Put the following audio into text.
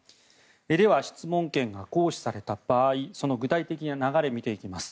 では、質問権が行使された場合その具体的な流れを見ていきます。